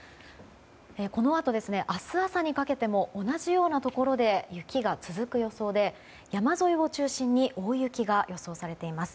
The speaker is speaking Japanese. このあと明日朝にかけても同じようなところで雪が続く予想で山沿いを中心に大雪が予想されています。